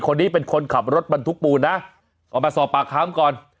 คนนี้เป็นคนขับรถบรรทุกปูนนะก็มาสอบปากคำก่อน